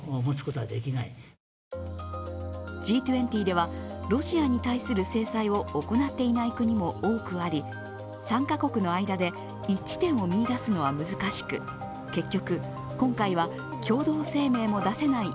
Ｇ２０では、ロシアに対する制裁を行っていない国も多くあり参加国の間で一致点を見いだすのは難しく結局、今回は共同声明も出せない